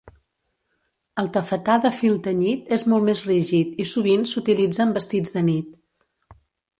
El tafetà de fil tenyit és molt més rígid i sovint s'utilitza en vestits de nit.